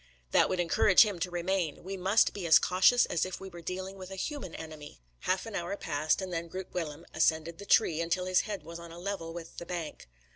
That would encourage him to remain. We must be as cautious as if we were dealing with a human enemy." Half an hour passed, and then Groot Willem ascended the tree, until his head was on a level with the bank.